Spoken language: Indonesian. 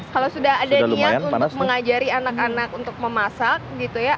kalau sudah ada niat untuk mengajari anak anak untuk memasak gitu ya